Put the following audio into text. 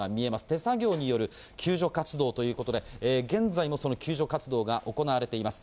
手作業による救助活動ということで、現在もその救助活動が行われています。